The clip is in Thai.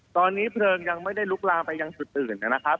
ตอนนี้เพลิงยังไม่ได้ลุกลามไปยังจุดอื่นนะครับ